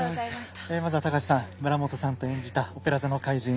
まずは高橋さん村元さんと演じた「オペラ座の怪人」。